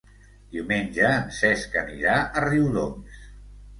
Diumenge en Cesc anirà a Riudoms.